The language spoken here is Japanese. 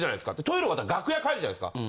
トイレ終わったら楽屋帰るじゃないですか。